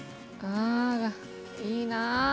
あらいいなあ。